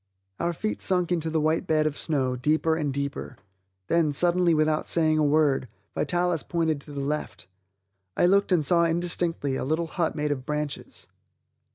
Our feet sunk into the white bed of snow, deeper and deeper. Then, suddenly, without saying a word, Vitalis pointed to the left. I looked and saw indistinctly a little hut made of branches.